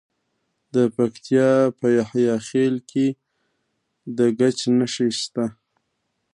د پکتیکا په یحیی خیل کې د ګچ نښې شته.